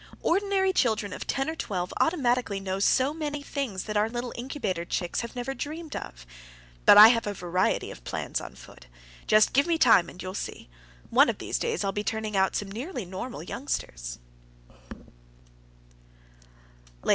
Ordinary children of ten or twelve automatically know so many things that our little incubator chicks have never dreamed of. But I have a variety of plans on foot. Just give me time, and you will see. One of these days I'll be turning out some nearly normal youngsters.